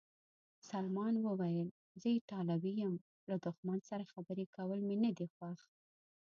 سلمان وویل: زه ایټالوی یم، له دښمن سره خبرې کول مې نه دي خوښ.